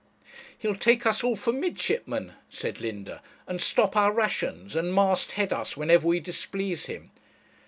'He'll take us all for midshipmen,' said Linda, 'and stop our rations, and mast head us whenever we displease him.'